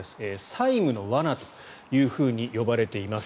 債務の罠というふうに呼ばれています。